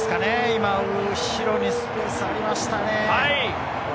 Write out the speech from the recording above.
今、後ろにスペースありましたね。